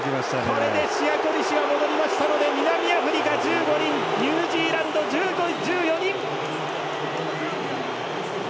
これでシヤ・コリシが戻りましたので南アフリカ１５人ニュージーランド１４人。